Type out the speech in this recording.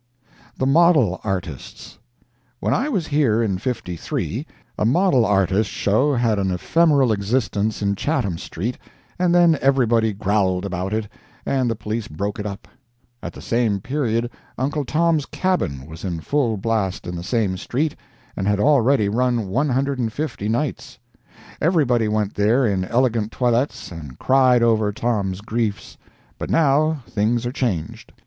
THE MODEL ARTISTS When I was here in '53, a model artist show had an ephemeral existence in Chatham street, and then everybody growled about it, and the police broke it up; at the same period "Uncle Tom's Cabin" was in full blast in the same street, and had already run one hundred and fifty nights. Everybody went there in elegant toilettes and cried over Tom's griefs. But now, things are changed.